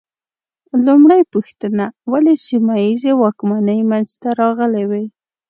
لومړۍ پوښتنه: ولې سیمه ییزې واکمنۍ منځ ته راغلې وې؟